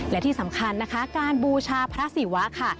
และที่สำคัญนะคะการบูชาพระศิวะค่ะ